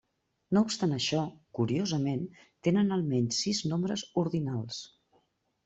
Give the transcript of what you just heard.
No obstant això, curiosament, tenen almenys sis nombres ordinals.